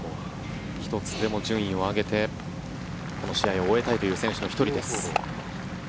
１つでも順位を上げてこの試合を終えたいという選手の１人です。